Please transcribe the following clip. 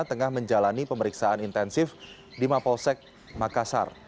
tengah menjalani pemeriksaan intensif di mapolsek makassar